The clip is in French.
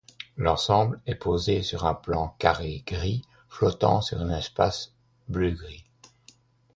L'ensemble est posé sur un plan carré gris flottant sur un espace bleu gris.